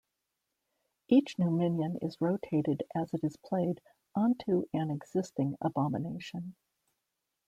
Each new minion is rotated as it is played onto an existing abomination.